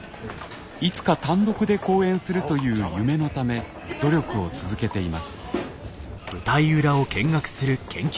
いつか単独で公演するという夢のため努力を続けています。